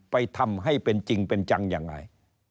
ไปทำให้เป็นจริงเป็นจังยังไง